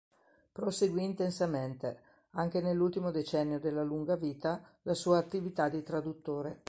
Proseguì intensamente, anche nell'ultimo decennio della lunga vita, la sua attività di traduttore.